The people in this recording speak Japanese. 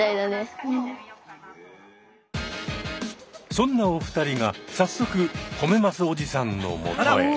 そんなお二人が早速褒めますおじさんのもとへ。